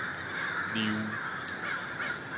餾